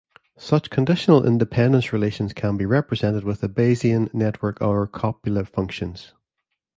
Such conditional independence relations can be represented with a Bayesian network or copula functions.